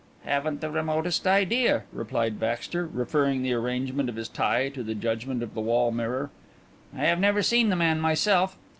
"Haven't the remotest idea," replied Baxter, referring the arrangement of his tie to the judgment of the wall mirror. "I have never seen the man myself.